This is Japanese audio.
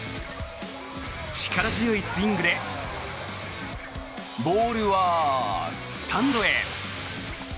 力強いスイングでボールはスタンドへ。